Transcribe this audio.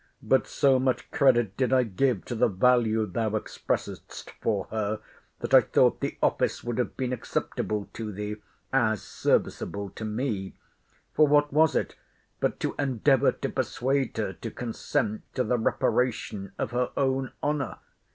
—But so much credit did I give to the value thou expressedst for her, that I thought the office would have been acceptable to thee, as serviceable to me; for what was it, but to endeavour to persuade her to consent to the reparation of her own honour?